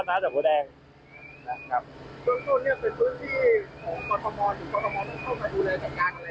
ดูในสถานี